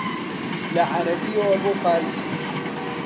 لە عەرەبییەوە بۆ فارسی